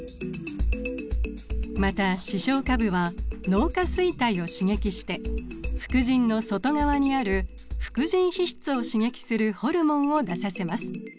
また視床下部は脳下垂体を刺激して副腎の外側にある副腎皮質を刺激するホルモンを出させます。